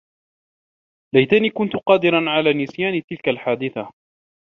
ليتني كنت قادرا على نسيان تلك الحادثة.